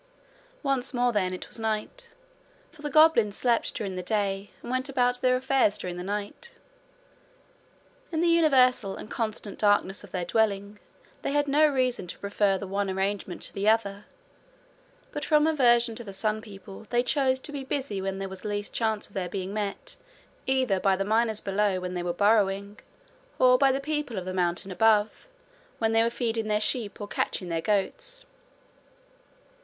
Once more, then, it was night; for the goblins slept during the day and went about their affairs during the night. In the universal and constant darkness of their dwelling they had no reason to prefer the one arrangement to the other; but from aversion to the sun people they chose to be busy when there was least chance of their being met either by the miners below, when they were burrowing, or by the people of the mountain above, when they were feeding their sheep or catching their goats.